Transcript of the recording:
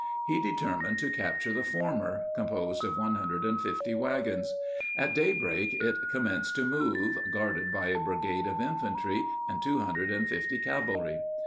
He determined to capture the former, composed of one hundred and fifty wagons. At daybreak it commenced to move, guarded by a brigade of infantry and two hundred and fifty cavalry.